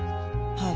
はい。